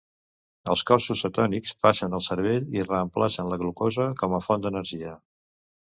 Els cossos cetònics passen al cervell i reemplacen la glucosa com a font d'energia.